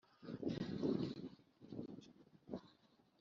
tuzavuba imvura